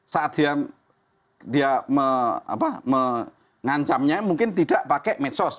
saat dia mengancamnya mungkin tidak pakai medsos